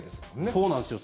そうなんですよ。